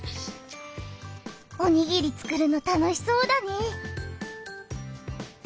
おにぎりつくるの楽しそうだね。